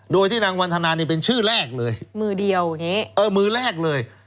โดยที่นางวันทนาเป็นชื่อแรกเลยมือเดียวมือแรกเลย